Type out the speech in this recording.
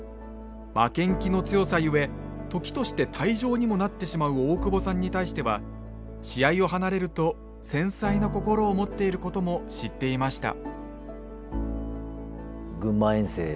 負けん気の強さゆえ時として退場にもなってしまう大久保さんに対しては試合を離れると繊細な心を持っていることも知っていました。